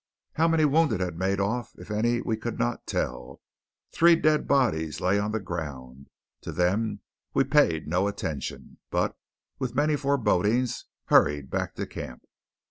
How many wounded had made off if any we could not tell. Three dead bodies lay on the ground. To them we paid no attention, but, with many forebodings, hurried back to camp.